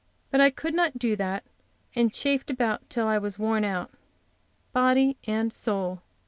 But I could not do that, and chafed about till I was worn out, body and soul.